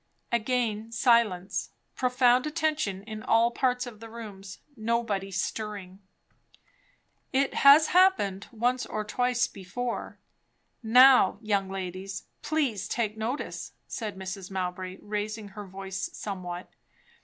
Again silence. Profound attention in all parts of the rooms; nobody stirring. "It has happened once or twice before. Now, young ladies, please take notice," said Mrs. Mowbray, raising her voice somewhat.